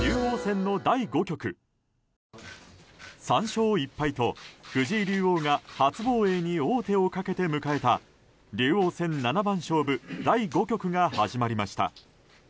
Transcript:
３勝１敗と藤井竜王が初防衛に王手をかけて迎えた竜王戦七番勝負第５局が始まりました。